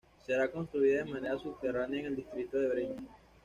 Será construida de manera subterránea en el distrito de Breña.